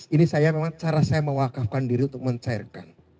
ini saya memang cara saya mewakafkan diri untuk mencairkan